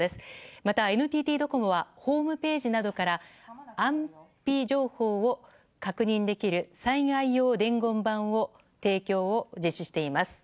また、ＮＴＴドコモはホームページなどから安否情報を確認できる災害用伝言版の提供を実施しています。